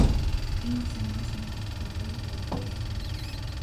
Энэ хугацаанд онц сонирхол татам хоёр үйл явдал боллоо.